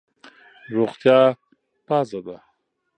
روغتیا پازه ده.